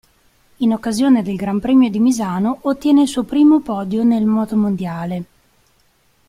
In occasione del Gran Premio di Misano ottiene il suo primo podio nel motomondiale.